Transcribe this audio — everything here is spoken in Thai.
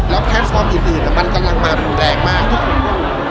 แล้วแพลตฟอร์มอีกอื่นมันกำลังมาถูกแรงมากที่คุณรู้